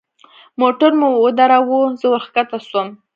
موټر مو ودراوه زه وركښته سوم.